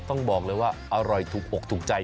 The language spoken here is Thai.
ต้องบอกเลยว่าอร่อยถูกอกถูกใจ